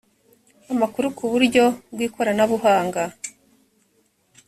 amakuru ku buryo bw ikoranabuhanga